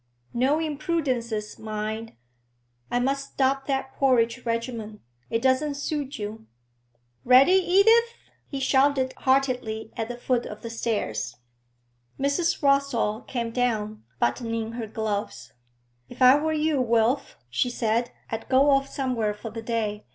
'No imprudences, mind. I must stop that porridge regimen; it doesn't suit you. Ready, Edith?' he shouted heartily at the foot of the stairs. Mrs. Rossall came down, buttoning her gloves. 'If I were you, Wilf,' she said, 'I'd go off somewhere for the day.